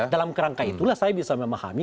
dalam kerangka itulah saya bisa memahami